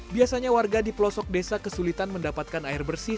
biasanya warga di pelosok desa kesulitan mendapatkan air bersih